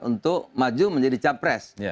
untuk maju menjadi capres